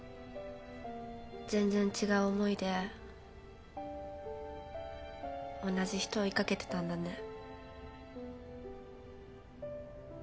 全然違う思いで同じ人追い掛けてたんだね。